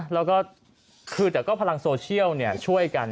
แล้วก็คือแต่ก็พลังโซเชียลช่วยกัน